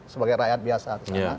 sebagai rakyat biasa